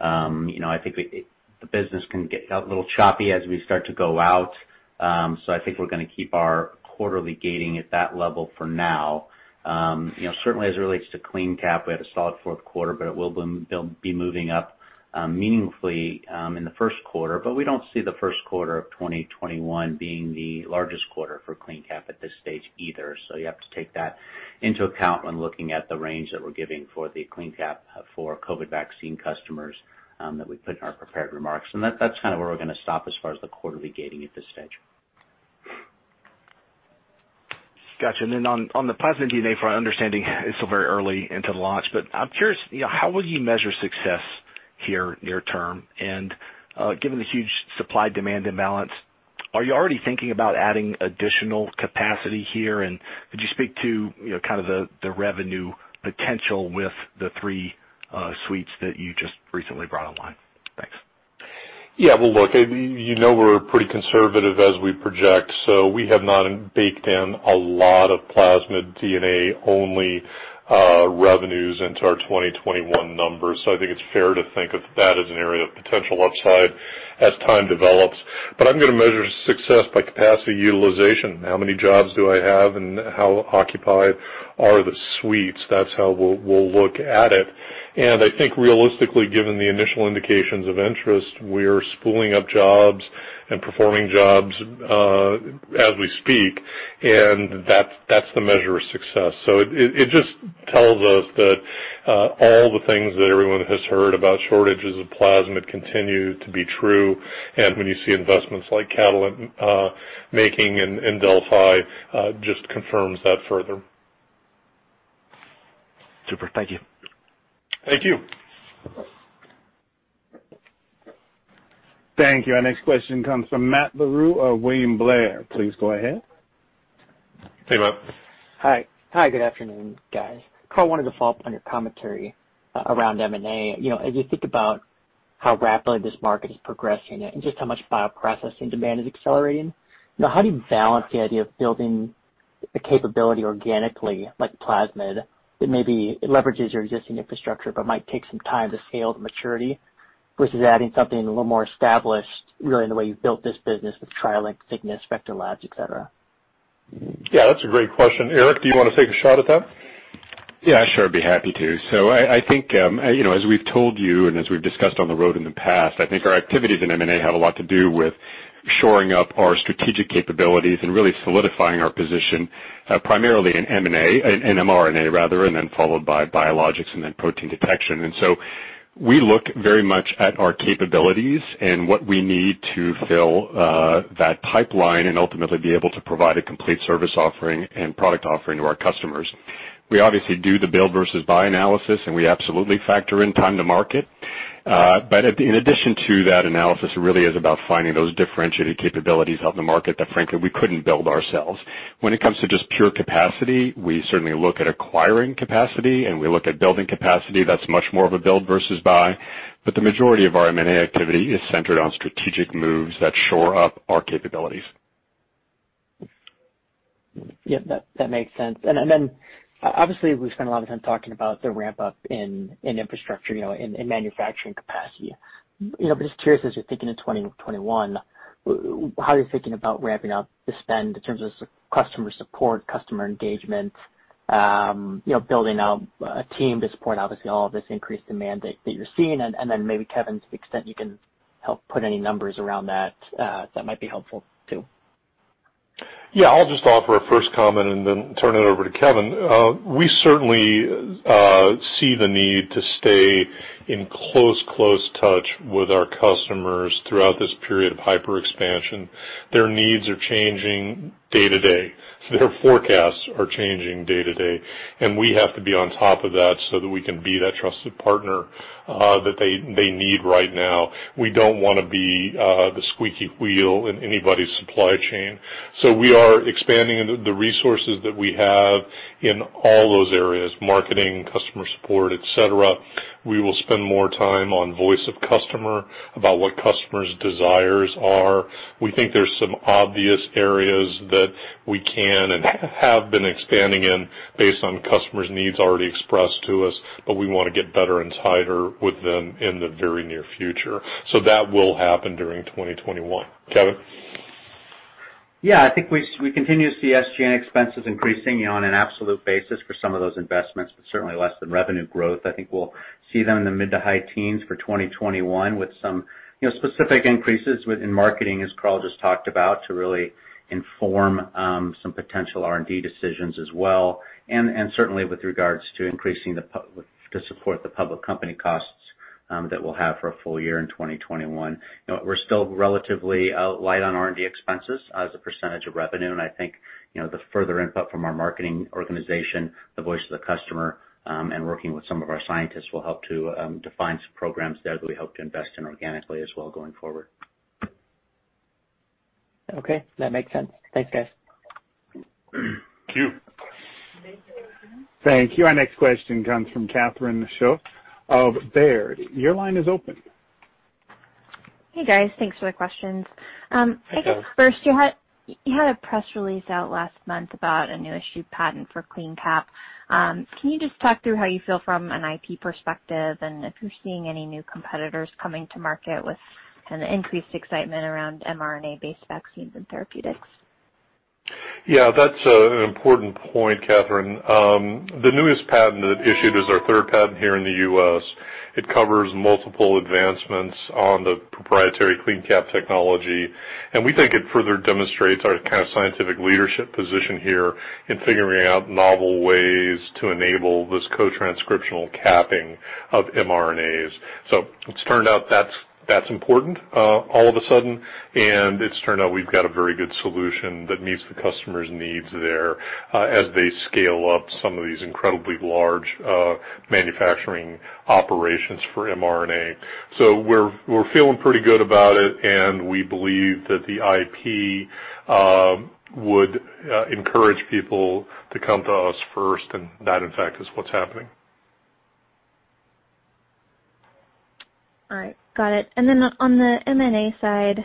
I think the business can get a little choppy as we start to go out. I think we're going to keep our quarterly gating at that level for now. Certainly as it relates to CleanCap, we had a solid fourth quarter, but it will be moving up meaningfully in the first quarter, but we don't see the first quarter of 2021 being the largest quarter for CleanCap at this stage either. You have to take that into account when looking at the range that we're giving for the CleanCap for COVID vaccine customers that we put in our prepared remarks. That's kind of where we're going to stop as far as the quarterly gating at this stage. Got you. Then on the plasmid DNA, from our understanding, it's still very early into the launch, but I'm curious, how will you measure success here near term? Given the huge supply demand imbalance, are you already thinking about adding additional capacity here? Could you speak to kind of the revenue potential with the three suites that you just recently brought online? Thanks. Yeah. Well, look, you know we're pretty conservative as we project, we have not baked in a lot of plasmid DNA-only revenues into our 2021 numbers. I think it's fair to think of that as an area of potential upside as time develops. I'm going to measure success by capacity utilization. How many jobs do I have and how occupied are the suites? That's how we'll look at it. I think realistically, given the initial indications of interest, we are spooling up jobs and performing jobs, as we speak, and that's the measure of success. It just tells us that all the things that everyone has heard about shortages of plasmid continue to be true. When you see investments like Catalent making and Danaher, just confirms that further. Super. Thank you. Thank you. Thank you. Our next question comes from Matt Larew of William Blair. Please go ahead. Hey, Matt. Hi. Good afternoon, guys. Carl, wanted to follow up on your commentary around M&A. As you think about how rapidly this market is progressing and just how much bioprocessing demand is accelerating, how do you balance the idea of building a capability organically, like plasmid, that maybe it leverages your existing infrastructure but might take some time to scale to maturity, versus adding something a little more established really in the way you've built this business with TriLink, Cygnus, Spectro Labs, et cetera? Yeah, that's a great question. Eric, do you want to take a shot at that? Yeah, sure. I'd be happy to. I think, as we've told you and as we've discussed on the road in the past, I think our activities in M&A have a lot to do with shoring up our strategic capabilities and really solidifying our position, primarily in mRNA, and then followed by biologics and then protein detection. We look very much at our capabilities and what we need to fill that pipeline and ultimately be able to provide a complete service offering and product offering to our customers. We obviously do the build versus buy analysis, and we absolutely factor in time to market. But in addition to that analysis, it really is about finding those differentiated capabilities out in the market that frankly, we couldn't build ourselves. When it comes to just pure capacity, we certainly look at acquiring capacity, and we look at building capacity. That's much more of a build versus buy, but the majority of our M&A activity is centered on strategic moves that shore up our capabilities. Yeah, that makes sense. Obviously we've spent a lot of time talking about the ramp up in infrastructure, in manufacturing capacity. Just curious, as you're thinking of 2021, how are you thinking about ramping up the spend in terms of customer support, customer engagement, building out a team to support obviously all of this increased demand that you're seeing, and then maybe Kevin, to the extent you can help put any numbers around that might be helpful too. Yeah, I'll just offer a first comment and then turn it over to Kevin. We certainly see the need to stay in close touch with our customers throughout this period of hyper expansion. Their needs are changing day to day. Their forecasts are changing day to day, and we have to be on top of that so that we can be that trusted partner that they need right now. We don't want to be the squeaky wheel in anybody's supply chain. We are expanding the resources that we have in all those areas, marketing, customer support, et cetera. We will spend more time on voice of customer about what customers' desires are. We think there's some obvious areas that we can and have been expanding in based on customers' needs already expressed to us, but we want to get better and tighter with them in the very near future. That will happen during 2021. Kevin? Yeah, I think we continue to see SG&A expenses increasing on an absolute basis for some of those investments, but certainly less than revenue growth. I think we'll see them in the mid to high teens for 2021 with some specific increases within marketing, as Carl just talked about, to really inform some potential R&D decisions as well, and certainly with regards to increasing to support the public company costs that we'll have for a full year in 2021. We're still relatively light on R&D expenses as a percentage of revenue, and I think the further input from our marketing organization, the voice of the customer, and working with some of our scientists will help to define some programs that we hope to invest in organically as well going forward. Okay, that makes sense. Thanks, guys. Thank you. Thank you. Our next question comes from Catherine Schulte of Baird. Your line is open. Hey, guys. Thanks for the questions. Hey, Catherine. I guess first, you had a press release out last month about a newly issued patent for CleanCap. Can you just talk through how you feel from an IP perspective and if you're seeing any new competitors coming to market with an increased excitement around mRNA-based vaccines and therapeutics? Yeah, that's an important point, Catherine. The newest patent that issued is our third patent here in the U.S. It covers multiple advancements on the proprietary CleanCap technology, and we think it further demonstrates our kind of scientific leadership position here in figuring out novel ways to enable this co-transcriptional capping of mRNAs. It's turned out that's important all of a sudden, and it's turned out we've got a very good solution that meets the customer's needs there as they scale up some of these incredibly large manufacturing operations for mRNA. We're feeling pretty good about it, and we believe that the IP would encourage people to come to us first, and that, in fact, is what's happening. All right. Got it. On the M&A side,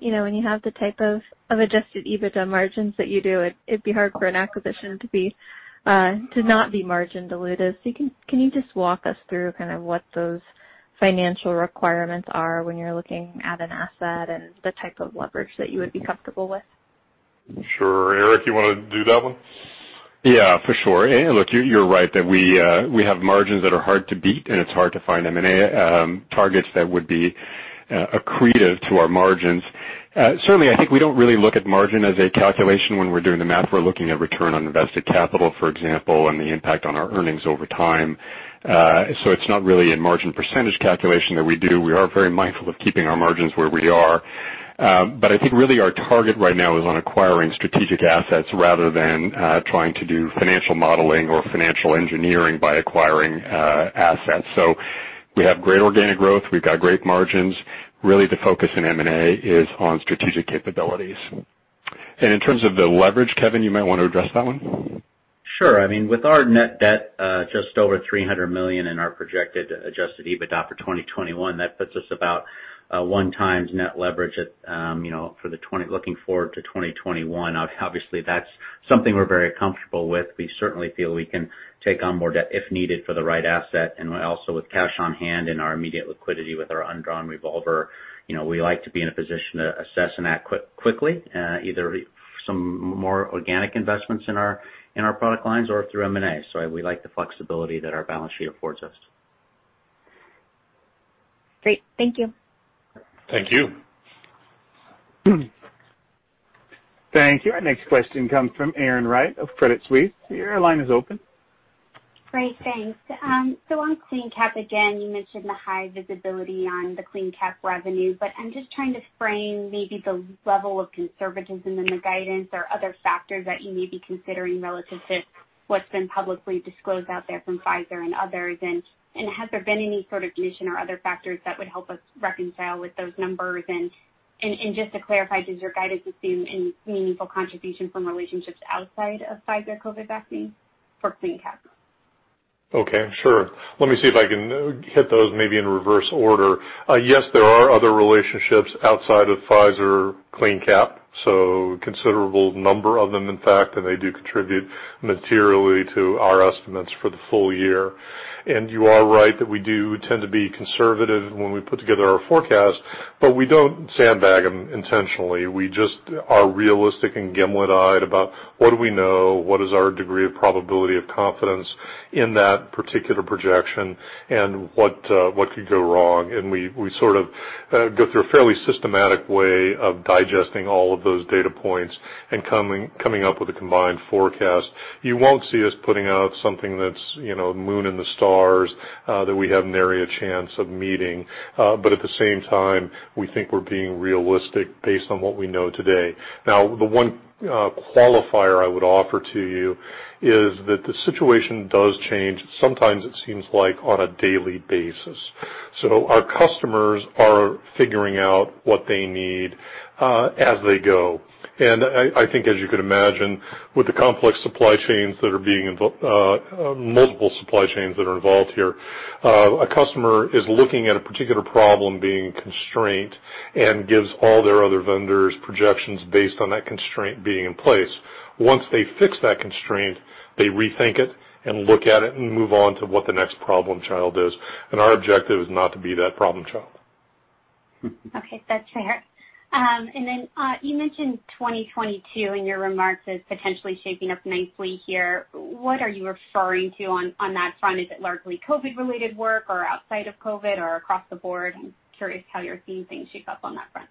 when you have the type of adjusted EBITDA margins that you do, it'd be hard for an acquisition to not be margin dilutive. Can you just walk us through kind of what those financial requirements are when you're looking at an asset and the type of leverage that you would be comfortable with? Sure. Eric, you want to do that one? Yeah, for sure. Look, you're right that we have margins that are hard to beat, and it's hard to find M&A targets that would be accretive to our margins. Certainly, I think we don't really look at margin as a calculation when we're doing the math. We're looking at return on invested capital, for example, and the impact on our earnings over time. It's not really a margin percentage calculation that we do. We are very mindful of keeping our margins where we are. I think really our target right now is on acquiring strategic assets rather than trying to do financial modeling or financial engineering by acquiring assets. We have great organic growth. We've got great margins. Really, the focus in M&A is on strategic capabilities. In terms of the leverage, Kevin, you might want to address that one. Sure. I mean, with our net debt just over $300 million in our projected adjusted EBITDA for 2021, that puts us about one times net leverage looking forward to 2021. Obviously, that's something we're very comfortable with. We certainly feel we can take on more debt if needed for the right asset. Also with cash on hand and our immediate liquidity with our undrawn revolver, we like to be in a position to assess in that quickly, either some more organic investments in our product lines or through M&A. We like the flexibility that our balance sheet affords us. Great. Thank you. Thank you. Thank you. Our next question comes from Erin Wright of Credit Suisse. Your line is open. Great. Thanks. On CleanCap, again, you mentioned the high visibility on the CleanCap revenue, but I'm just trying to frame maybe the level of conservatism in the guidance or other factors that you may be considering relative to what's been publicly disclosed out there from Pfizer and others. Has there been any sort of omission or other factors that would help us reconcile with those numbers? Just to clarify, does your guidance assume any meaningful contribution from relationships outside of Pfizer COVID vaccine for CleanCap? Okay, sure. Let me see if I can hit those maybe in reverse order. Yes, there are other relationships outside of Pfizer CleanCap, so considerable number of them, in fact, and they do contribute materially to our estimates for the full year. You are right that we do tend to be conservative when we put together our forecast, but we don't sandbag them intentionally. We just are realistic and gimlet-eyed about what do we know, what is our degree of probability of confidence in that particular projection, and what could go wrong. We sort of go through a fairly systematic way of digesting all of those data points and coming up with a combined forecast. You won't see us putting out something that's moon and the stars that we have nary a chance of meeting. At the same time, we think we're being realistic based on what we know today. The one qualifier I would offer to you is that the situation does change. Sometimes it seems like on a daily basis. Our customers are figuring out what they need as they go. I think as you could imagine, with the multiple supply chains that are involved here, a customer is looking at a particular problem being constraint and gives all their other vendors projections based on that constraint being in place. Once they fix that constraint, they rethink it and look at it and move on to what the next problem child is, and our objective is not to be that problem child. Okay. That's fair. Then you mentioned 2022 in your remarks as potentially shaping up nicely here. What are you referring to on that front? Is it largely COVID-related work or outside of COVID or across the board? I'm curious how you're seeing things shape up on that front.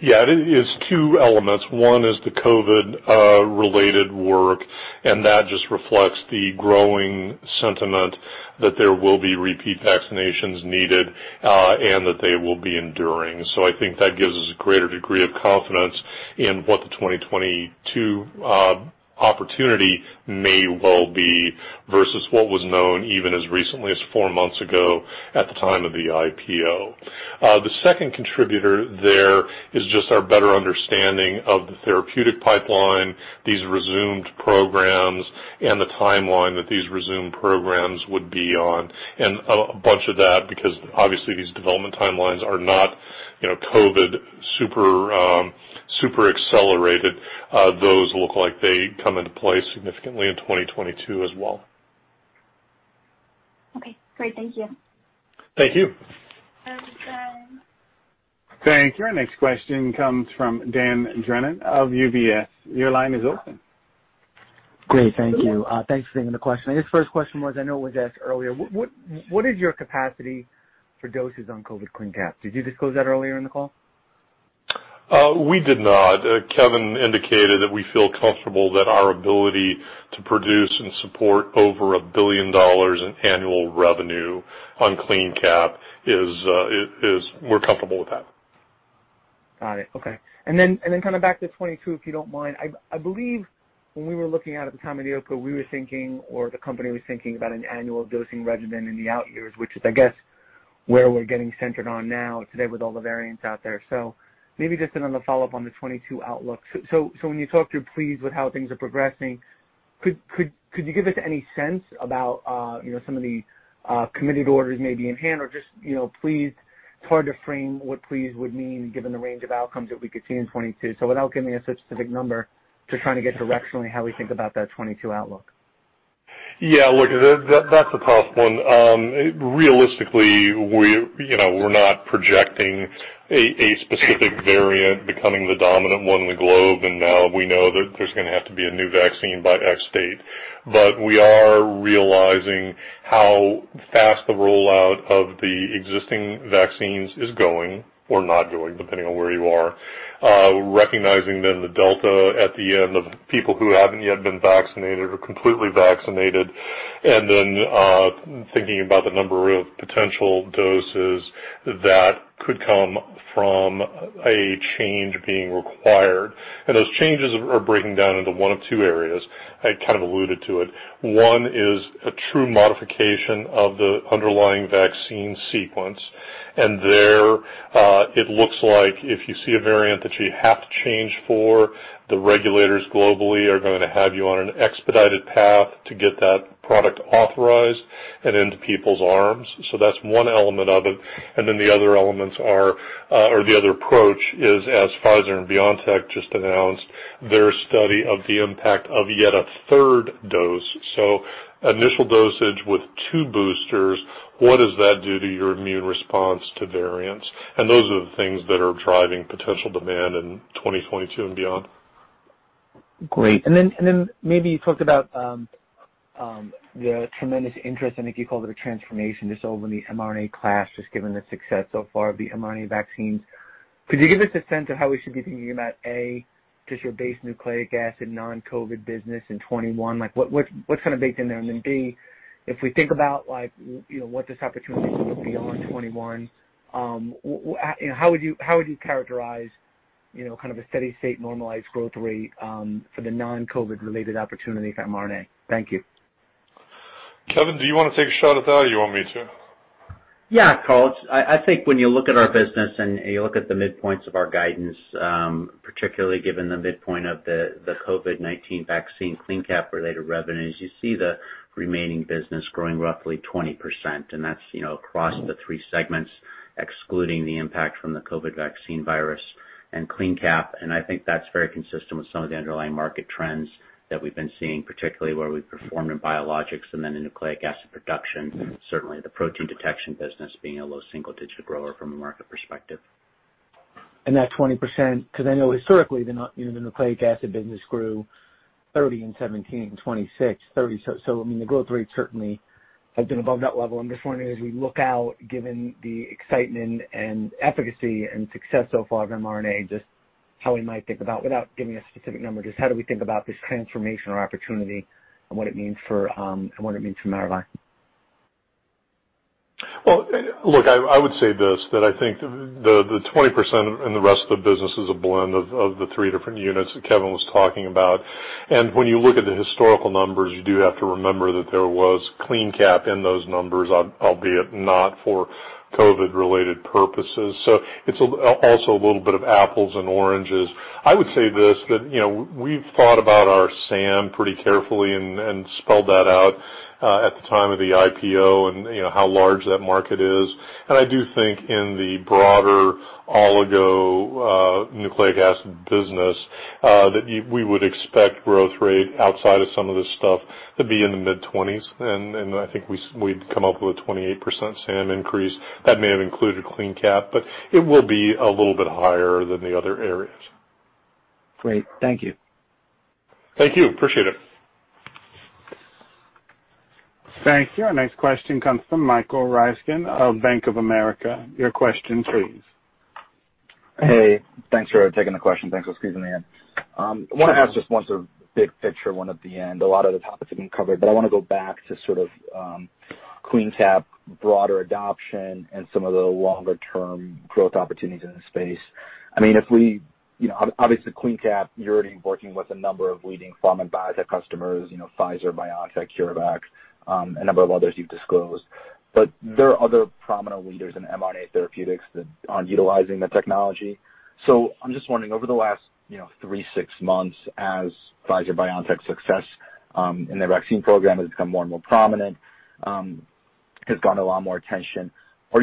Yeah, it is two elements. One is the COVID-related work, and that just reflects the growing sentiment that there will be repeat vaccinations needed, and that they will be enduring. I think that gives us a greater degree of confidence in what the 2022 opportunity may well be versus what was known even as recently as four months ago at the time of the IPO. The second contributor there is just our better understanding of the therapeutic pipeline, these resumed programs, and the timeline that these resumed programs would be on. A bunch of that, because obviously these development timelines are not COVID super accelerated. Those look like they come into play significantly in 2022 as well. Okay, great. Thank you. Thank you. Thank you. Our next question comes from Dan Brennan of UBS. Your line is open. Great. Thank you. Thanks for taking the question. I guess first question was, I know it was asked earlier, what is your capacity for doses on COVID CleanCap? Did you disclose that earlier in the call? We did not. Kevin indicated that we feel comfortable that our ability to produce and support over $1 billion in annual revenue on CleanCap is we're comfortable with that. Got it. Okay. Then back to 2022, if you don't mind. I believe when we were looking out at the time of the IPO, we were thinking, or the company was thinking about an annual dosing regimen in the out years, which is, I guess, where we're getting centered on now today with all the variants out there. Maybe just another follow-up on the 2022 outlook. When you talk you're pleased with how things are progressing, could you give us any sense about some of the committed orders maybe in hand or just pleased? It's hard to frame what pleased would mean given the range of outcomes that we could see in 2022. Without giving a specific number, just trying to get directionally how we think about that 2022 outlook. Yeah, look, that's a tough one. Realistically, we're not projecting a specific variant becoming the dominant one in the globe, and now we know that there's going to have to be a new vaccine by X date. We are realizing how fast the rollout of the existing vaccines is going or not going, depending on where you are. Recognizing then the Delta at the end of people who haven't yet been vaccinated or completely vaccinated, and then thinking about the number of potential doses that could come from a change being required. Those changes are breaking down into one of two areas. I kind of alluded to it. One is a true modification of the underlying vaccine sequence. There, it looks like if you see a variant that you have to change for, the regulators globally are going to have you on an expedited path to get that product authorized and into people's arms. That's one element of it. The other elements are or the other approach is as Pfizer and BioNTech just announced their study of the impact of yet a third dose. Initial dosage with two boosters, what does that do to your immune response to variants? Those are the things that are driving potential demand in 2022 and beyond. Great. Maybe you talked about the tremendous interest, and I think you called it a transformation, just over the mRNA class, just given the success so far of the mRNA vaccines. Could you give us a sense of how we should be thinking about, A, just your base nucleic acid non-COVID-19 business in 2021? What's kind of baked in there? B, if we think about what this opportunity looks beyond 2021, how would you characterize a steady state normalized growth rate for the non-COVID-19 related opportunity for mRNA? Thank you. Kevin, do you want to take a shot at that or you want me to? Yeah, Carl. I think when you look at our business and you look at the midpoints of our guidance, particularly given the midpoint of the COVID-19 vaccine CleanCap related revenues, you see the remaining business growing roughly 20%, and that's across the three segments, excluding the impact from the COVID vaccine virus and CleanCap, and I think that's very consistent with some of the underlying market trends that we've been seeing, particularly where we've performed in biologics and then in Nucleic Acid Production, certainly the protein detection business being a low single-digit grower from a market perspective. That 20%, because I know historically, the Nucleic Acid Production business grew 30% in 2017 and 26%, 30%. The growth rate certainly has been above that level. I'm just wondering, as we look out, given the excitement and efficacy and success so far of mRNA, just how we might think about, without giving a specific number, just how do we think about this transformation or opportunity and what it means for Maravai? Well, look, I would say this, that I think the 20% and the rest of the business is a blend of the three different units that Kevin was talking about. When you look at the historical numbers, you do have to remember that there was CleanCap in those numbers, albeit not for COVID related purposes. It's also a little bit of apples and oranges. I would say this, that we've thought about our SAM pretty carefully and spelled that out at the time of the IPO and how large that market is. I do think in the broader oligonucleotide acid business that we would expect growth rate outside of some of this stuff to be in the mid-20s. I think we'd come up with a 28% SAM increase. That may have included CleanCap, but it will be a little bit higher than the other areas. Great. Thank you. Thank you. Appreciate it. Thank you. Our next question comes from Michael Ryskin of Bank of America. Your question please. Hey, thanks for taking the question. Thanks for squeezing me in. Sure. I want to ask just one sort of big picture one at the end. A lot of the topics have been covered, but I want to go back to sort of CleanCap broader adoption and some of the longer term growth opportunities in this space. Obviously CleanCap, you're already working with a number of leading pharma biotech customers, Pfizer, BioNTech, CureVac, a number of others you've disclosed. There are other prominent leaders in mRNA therapeutics that aren't utilizing the technology. I'm just wondering, over the last three, six months as Pfizer BioNTech's success in their vaccine program has become more and more prominent, has gotten a lot more attention, have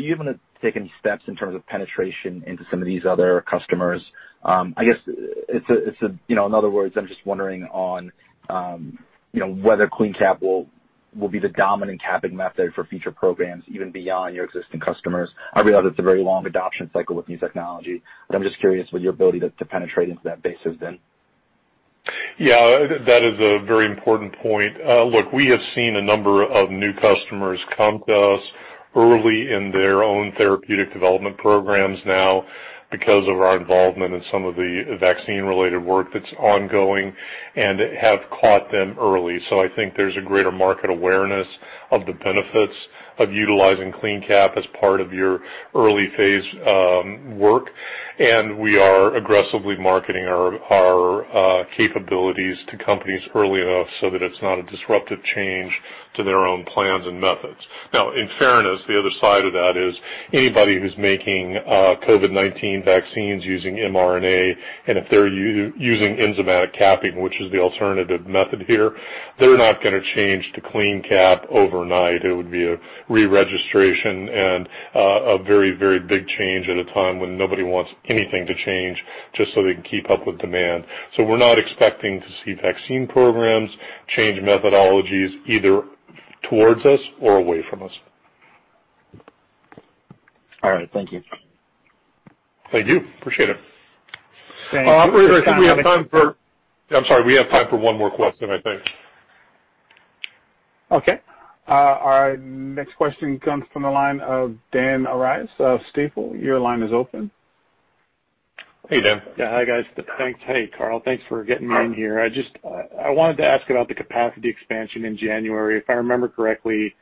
you taken steps in terms of penetration into some of these other customers? I guess, in other words, I'm just wondering on whether CleanCap will be the dominant capping method for future programs, even beyond your existing customers. I realize it's a very long adoption cycle with new technology, but I'm just curious what your ability to penetrate into that base has been. Yeah, that is a very important point. Look, we have seen a number of new customers come to us early in their own therapeutic development programs now because of our involvement in some of the vaccine related work that's ongoing and have caught them early. I think there's a greater market awareness of the benefits of utilizing CleanCap as part of your early phase work. We are aggressively marketing our capabilities to companies early enough so that it's not a disruptive change to their own plans and methods. Now, in fairness, the other side of that is anybody who's making COVID-19 vaccines using mRNA, and if they're using enzymatic capping, which is the alternative method here, they're not going to change to CleanCap overnight. It would be a re-registration and a very big change at a time when nobody wants anything to change just so they can keep up with demand. We're not expecting to see vaccine programs change methodologies either towards us or away from us. All right. Thank you. Thank you. Appreciate it. Thank you. Operator, I'm sorry. We have time for one more question, I think. Okay. Our next question comes from the line of Dan Arias of Stifel. Your line is open. Hey, Dan. Yeah. Hi, guys. Thanks. Hey, Carl, thanks for getting me in here. I wanted to ask about the capacity expansion in January. If I remember correctly,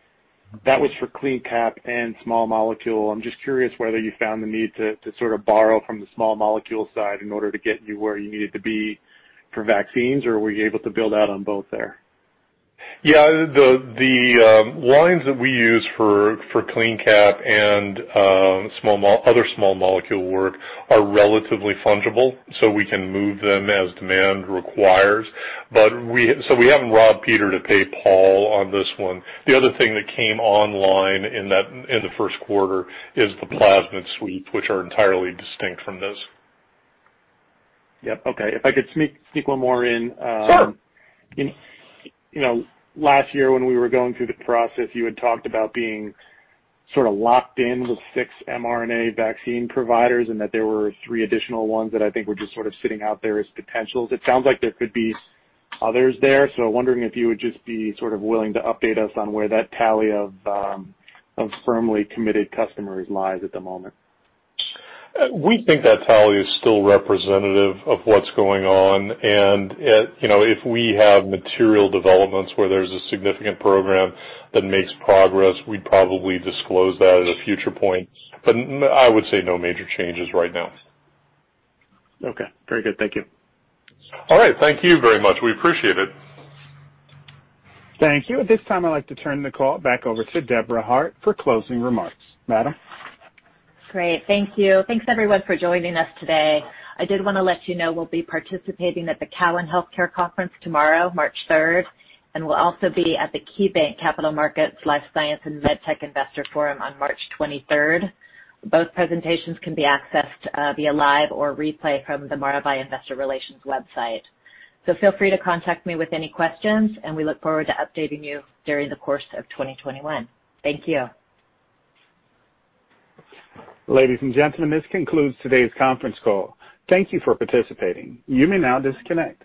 that was for CleanCap and small molecule. I'm just curious whether you found the need to sort of borrow from the small molecule side in order to get you where you needed to be for vaccines, or were you able to build out on both there? Yeah. The lines that we use for CleanCap and other small molecule work are relatively fungible, so we can move them as demand requires. We haven't robbed Peter to pay Paul on this one. The other thing that came online in the first quarter is the plasmid suite, which are entirely distinct from this. Yep. Okay. If I could sneak one more in. Sure. Last year when we were going through the process, you had talked about being sort of locked in with six mRNA vaccine providers and that there were three additional ones that I think were just sort of sitting out there as potentials. It sounds like there could be others there. Wondering if you would just be sort of willing to update us on where that tally of firmly committed customers lies at the moment. We think that tally is still representative of what's going on. If we have material developments where there's a significant program that makes progress, we'd probably disclose that at a future point. I would say no major changes right now. Okay. Very good. Thank you. All right. Thank you very much. We appreciate it. Thank you. At this time, I'd like to turn the call back over to Deborah Hart for closing remarks. Madam? Great. Thank you. Thanks everyone for joining us today. I did want to let you know we'll be participating at the Cowen Healthcare Conference tomorrow, March 3rd, and we'll also be at the KeyBanc Capital Markets Life Science and MedTech Investor Forum on March 23rd. Both presentations can be accessed via live or replay from the Maravai Investor Relations website. Feel free to contact me with any questions, and we look forward to updating you during the course of 2021. Thank you. Ladies and gentlemen, this concludes today's conference call. Thank you for participating. You may now disconnect.